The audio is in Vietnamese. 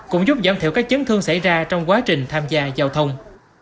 cũng giúp giảm thiểu các chấn thương xảy ra trong quá trình tham gia giao thông